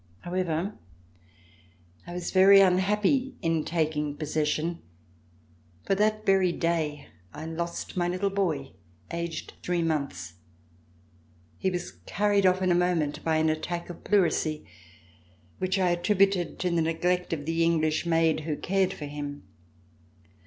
However, I was very unhappy in taking possession, for that very day I lost my little boy, aged three months. He was carried off in a moment by an attack of pleurisy which I attributed to the neglect of the English maid who cared for him.